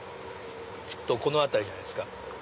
きっとこの辺りじゃないですか？